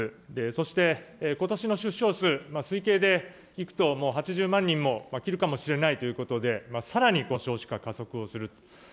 そして、ことしの出生数、推計でいくともう８０万人も切るかもしれないということで、さらにこの少子化、加速をすると。